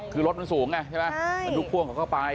คือรถมันสูงไหมอารถกวองเขาก็ไป